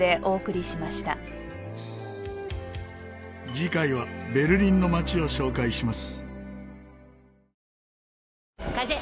次回はベルリンの街を紹介します。